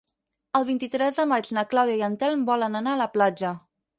El vint-i-tres de maig na Clàudia i en Telm volen anar a la platja.